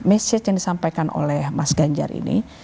message yang disampaikan oleh mas ganjar ini